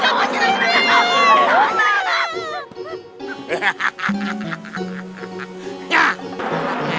jangan jangan jangan jangan jangan jangan jangan